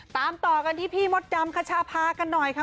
ตามต่อกันที่พี่มดดำคชาพากันหน่อยค่ะ